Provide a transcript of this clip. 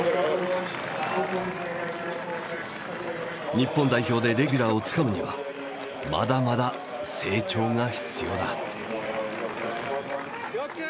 日本代表でレギュラーをつかむにはまだまだ成長が必要だ。